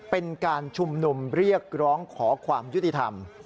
เป็นการชุมนุมเรียกร้องขอความยุติธรรม